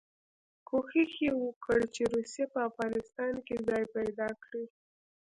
کوښښ یې وکړ چې روسیه په افغانستان کې ځای پیدا کړي.